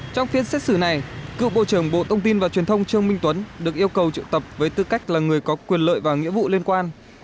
trong phiên xét xử này cựu bộ trưởng bộ thông tin và truyền thông trương minh tuấn được yêu cầu triệu tập với tư cách là người có quyền lợi và nghĩa vụ liên quan